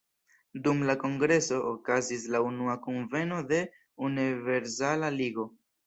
Dum la kongreso okazis la unua kunveno de "Universala Ligo".